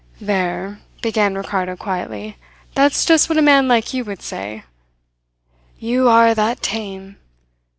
"There!" began Ricardo quietly. "That's just what a man like you would say. You are that tame!